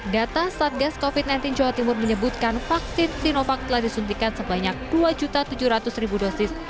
data satgas covid sembilan belas jawa timur menyebutkan vaksin sinovac telah disuntikan sebanyak dua tujuh ratus dosis